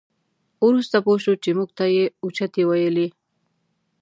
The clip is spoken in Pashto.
وروسته پوه شوو چې موږ ته یې اوچتې ویلې.